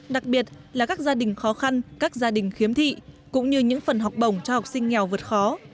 đặc biệt là các gia đình khó khăn các gia đình khiếm thị cũng như những phần học bổng cho học sinh nghèo vượt khó